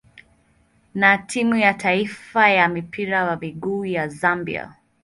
na timu ya taifa ya mpira wa miguu ya Zambia.